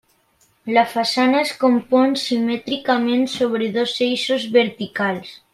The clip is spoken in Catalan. La façana es compon simètricament sobre dos eixos verticals.